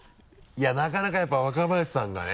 いやなかなかやっぱ若林さんがね。